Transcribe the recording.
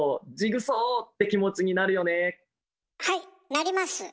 なります！